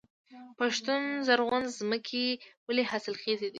پښتون زرغون ځمکې ولې حاصلخیزه دي؟